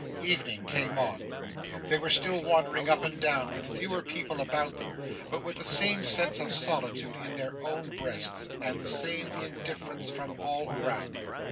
Evening came on. They were still wandering up and down, with fewer people about them, but with the same sense of solitude in their own breasts, and the same indifference from all around.